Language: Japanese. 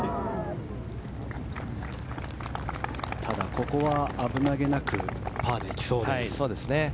ここは危なげなくパーでいきそうです。